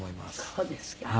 そうですか。